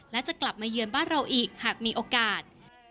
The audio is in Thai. และจะกลับมาเยือนบ้านเราอีกหากมีโอกาส